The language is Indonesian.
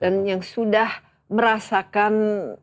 dan yang sudah merasakan